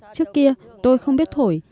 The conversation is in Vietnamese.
trước kia tôi không biết thổi